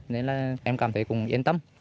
nên là em cảm thấy cũng yên tâm